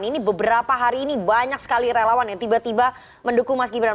ini beberapa hari ini banyak sekali relawan yang tiba tiba mendukung mas gibran